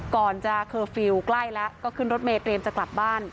ก่อนจะเคอร์ฟิลล์ใกล้แล้วก็ขึ้นรถเมย์เตรียมจะกลับบ้าน